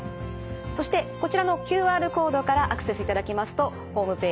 そしてこちらのＱＲコードからアクセスいただきますとホームページ